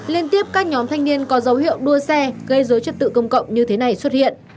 liên tiếp các nhóm thanh niên có dấu hiệu đua xe gây dối trật tự công cộng như thế này xuất hiện